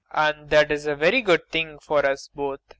And that is a very good thing for us both.